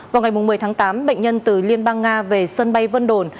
vào ngày một mươi tháng tám bệnh nhân từ liên bang nga về sân bay vân đồn